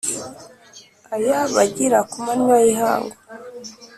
aya bagira ku manywa y’ihangu